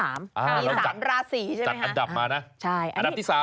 อันดับ๓ราศรีใช่ไหมคะอันดับมานะอันดับที่๓